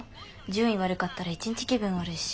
順位悪かったら一日気分悪いし。